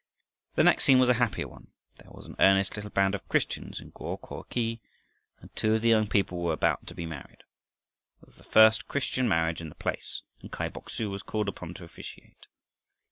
The next scene was a happier one. There was an earnest little band of Christians in Go ko khi, and two of the young people were about to be married. It was the first Christian marriage in the place and Kai Bok su was called upon to officiate.